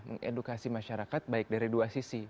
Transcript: mengedukasi masyarakat baik dari dua sisi